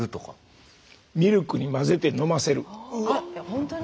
本当に？